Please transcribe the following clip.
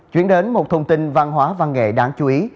chuyển đến một thông tin văn hóa văn nghệ đáng chú ý